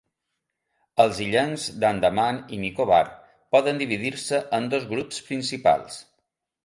Els illencs d'Andaman i Nicobar poden dividir-se en dos grups principals.